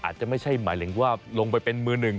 อาจจะไม่ใช่หมายถึงว่าลงไปเป็นมือหนึ่ง